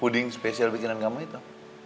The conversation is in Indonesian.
puding spesial bikinan kamu itu